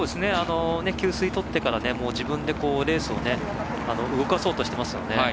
給水取ってから自分でレースを動かそうとしていますよね。